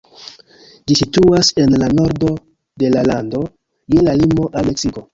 Ĝi situas en la nordo de la lando, je la limo al Meksiko.